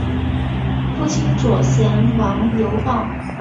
父亲左贤王刘豹。